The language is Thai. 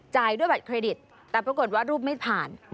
ด้วยบัตรเครดิตแต่ปรากฏว่ารูปไม่ผ่าน